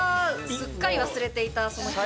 すっかり忘れていたその機能を。